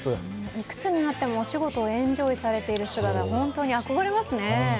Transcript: いくつになってもお仕事をエンジョイされてるお姿本当に憧れますね。